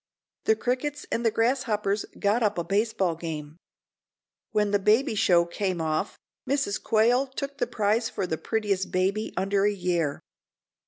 The crickets and the grasshoppers got up a baseball game. When the baby show came off, Mrs. Quail took the prize for the prettiest baby under a year.